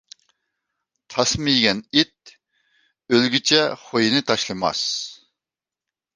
تاسما يېگەن ئىت ئۆلگۈچە خۇيىنى تاشلىماس.